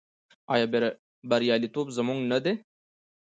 آیا بریالیتوب زموږ نه دی؟